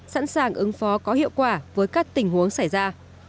sẵn sàng ứng phó có hiệu quả với các tình huống xảy ra